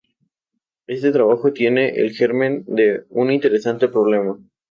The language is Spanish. Este trabajo contiene el germen de un interesante problema.